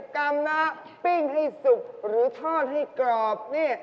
๒๘๐กรัมนะปิ้งให้สุกหรือทอดให้กรอบ